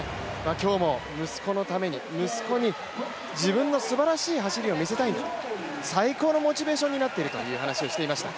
今日も息子のために、息子に自分のすばらしい走りを見せたいんだ、最高のモチベーションになっているという話をしていました。